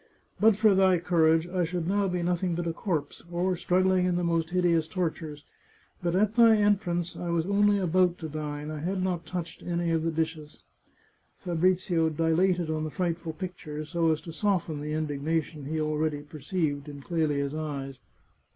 But for thy courage I should now be nothing but a corpse, or struggling in the most hideous tortures. But at thy en trance I was only about to dine ; I had not touched any of the dishes." Fabrizio dilated on the frightful picture, so as to soften the indignation he already perceived in Clelia's eyes.